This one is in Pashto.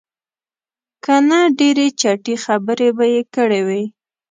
که نه ډېرې چټي خبرې به یې کړې وې.